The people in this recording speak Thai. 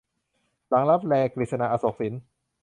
หลังลับแล - กฤษณา อโศกสิน